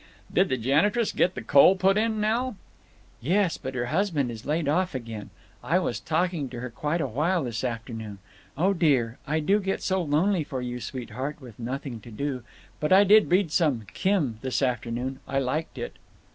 "Did the janitress get the coal put in, Nell?" "Yes, but her husband is laid off again. I was talking to her quite a while this afternoon…. Oh, dear, I do get so lonely for you, sweetheart, with nothing to do. But I did read some Kim this afternoon. I liked it."